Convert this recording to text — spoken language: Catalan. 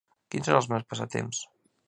Quins són els seus passatemps?